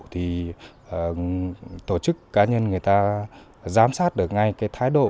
thì tổ chức cá nhân người ta giám sát được ngay cái thái độ